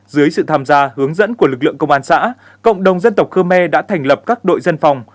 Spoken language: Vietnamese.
dưới sự tham gia hướng dẫn của lực lượng công an xã cộng đồng dân tộc khơ me đã thành lập các đội dân phòng